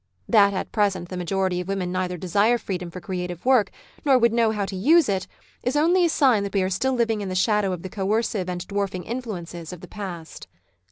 That at present the majority of women neither desire freedom for creative work, nor would know how to use it, is only a sign that we are still living in the shadow of the coercive and dwarfing influences of the past.